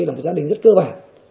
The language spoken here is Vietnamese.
là một gia đình rất cơ bản